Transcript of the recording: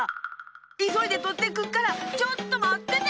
いそいでとってくっからちょっとまってて！